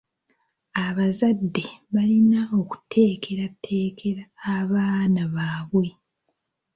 Abazadde balina okuteekerateekera abaana baabwe.